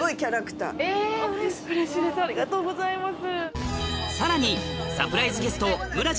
ありがとうございます。